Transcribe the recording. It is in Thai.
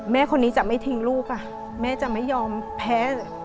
แม่คนนี้จะไม่ทิ้งลูกแม่จะไม่ยอมแพ้